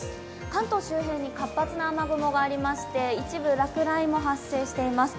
関東周辺に活発な雨雲がありまして一部落雷も発生しています。